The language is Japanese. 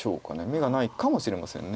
眼がないかもしれません。